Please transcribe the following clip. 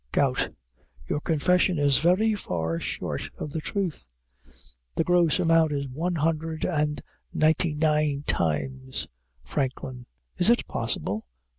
GOUT. Your confession is very far short of the truth; the gross amount is one hundred and ninety nine times. FRANKLIN. Is it possible?